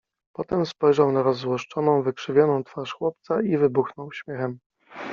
Potem spojrzał na rozzłoszczoną, wykrzywioną twarz chłopca i wybuchnął śmiechem.